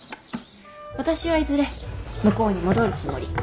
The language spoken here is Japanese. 私はいずれ向こうに戻るつもり。